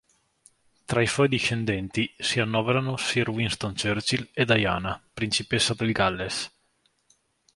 Tra i suoi discendenti si annoverano Sir Winston Churchill e Diana, principessa del Galles.